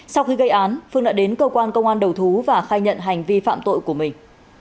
sau khi gây án phương đã đến cơ quan công an đầu thú và khai nhận hành vi phạm tội của mình